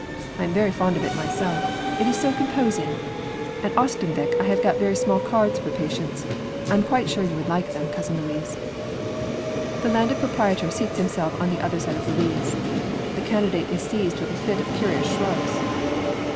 I am very fond of it myself; it is so composing. At Oestanvik I have got very small cards for Patience; I am quite sure you would like them, Cousin Louise. The Landed Proprietor seats himself on the other side of Louise. The Candidate is seized with a fit of curious shrugs.